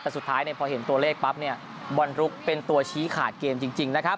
สุดท้ายพอเห็นตัวเลขปั๊บบอลลูกเป็นตัวชี้ขาดเกมจริง